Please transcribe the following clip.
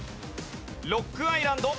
ロックアイランド。